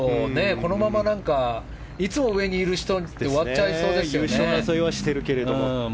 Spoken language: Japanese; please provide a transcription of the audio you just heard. このままだといつも上にいる人で終わっちゃいそうですね。